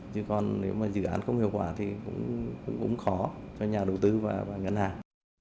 chứ còn nếu mà dự án không hiệu quả thì cũng khó cho nhà đầu tư và ngân hàng